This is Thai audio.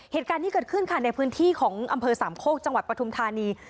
เหตุการณ์ที่เกิดขึ้นค่ะในพื้นที่ของอำเภอสามโคกจังหวัดปฐุมธานี